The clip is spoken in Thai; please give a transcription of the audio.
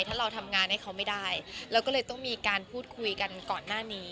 ถ้าเราทำงานให้เขาไม่ได้เราก็เลยต้องมีการพูดคุยกันก่อนหน้านี้